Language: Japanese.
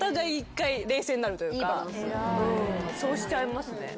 そうしちゃいますね。